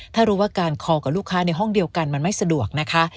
ถ้ารู้ว่าการคอกับลูกค้าในห้องเดียวกันมันไม่สะดวกนะคะ